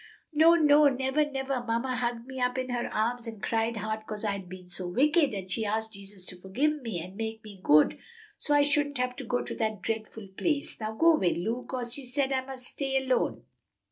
"No, no! never, never! Mamma hugged me up in her arms and cried hard 'cause I'd been so wicked. And she asked Jesus to forgive me and make me good, so I shouldn't have to go to that dreadful place. Now go away, Lu, 'cause she said I must stay alone."